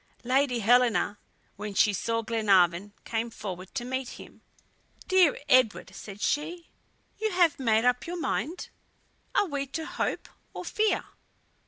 Lady Helena, when she saw Glenarvan, came forward to meet him. "Dear Edward," said she, "you have made up your mind? Are we to hope or fear?"